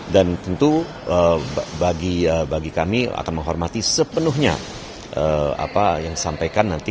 dan tentu bagi kami akan menghormati sepenuhnya apa yang disampaikan nanti